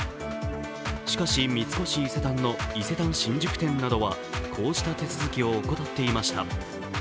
しかし、三越伊勢丹の伊勢丹新宿店などはこうした手続きを怠っていました。